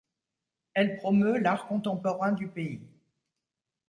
Elle promeut l'art contemporain du pays.